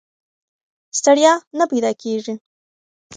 ستړیا نه پیدا کېږي.